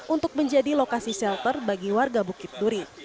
untuk menjadi lokasi shelter bagi warga bukit duri